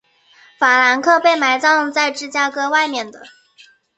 法兰克被埋葬在芝加哥外面的。